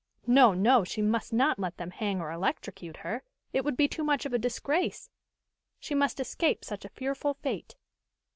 No! no! she must not let them hang or electrocute her! It would be too much of a disgrace! She must escape such a fearful fate!